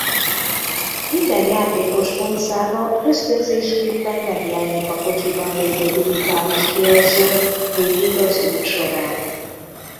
Minden játékos pontszáma ösztönzésképpen megjelenik a kocsiban lévő digitális kijelzőn végig az út során.